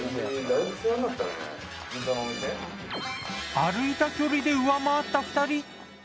歩いた距離で上回った２人。